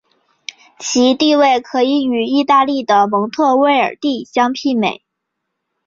其地位可以与意大利的蒙特威尔第相媲美。